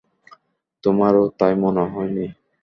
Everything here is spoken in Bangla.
তোমারও তাই মনে হয়নি?